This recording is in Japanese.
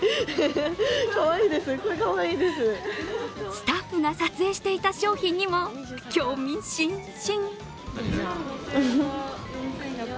スタッフが撮影していた商品にも興味津々。